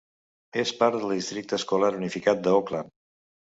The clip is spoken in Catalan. És part del districte escolar unificat d'Oakland.